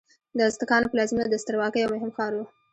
د ازتکانو پلازمینه د سترواکۍ یو مهم ښار و.